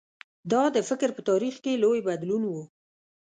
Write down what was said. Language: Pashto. دا د فکر په تاریخ کې لوی بدلون و.